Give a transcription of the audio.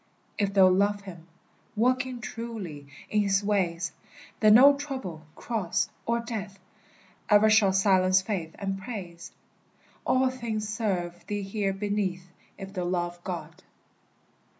If thou love him, Walking truly in his ways, Then no trouble, cross, or death E'er shall silence faith and praise; All things serve thee here beneath, If thou love God.